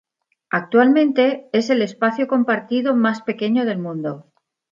Actualmente, es el espacio compartido más pequeño del mundo.